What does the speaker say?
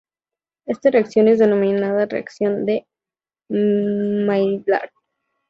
Esta reacción se denomina Reacción de Maillard.